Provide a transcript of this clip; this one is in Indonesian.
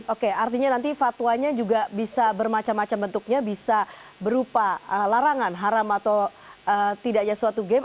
oke artinya nanti fatwanya juga bisa bermacam macam bentuknya bisa berupa larangan haram atau tidaknya suatu game